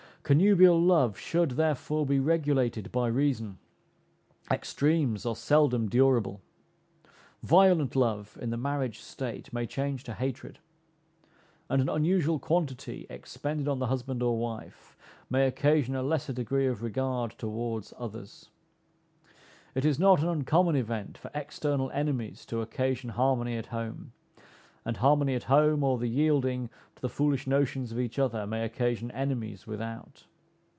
Connubial love should, therefore, be regulated by reason. Extremes are seldom durable. Violent love in the marriage state may change to hatred; and an unusual quantity expended on the husband or wife, may occasion a lesser degree of regard towards others. It is not an uncommon event for external enemies to occasion harmony at home; and harmony at home, or the yielding to the foolish notions of each other, may occasion enemies without.